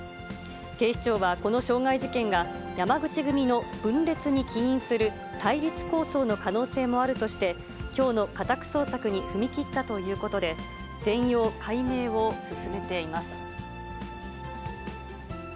警視庁は、この傷害事件が、山口組の分裂に起因する対立抗争の可能性もあるとして、きょうの家宅捜索に踏み切ったということで、全容解明を進めています。